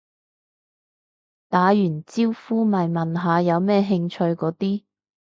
打完招呼咪問下有咩興趣嗰啲